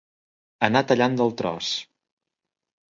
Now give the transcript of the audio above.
Anar tallant del tros.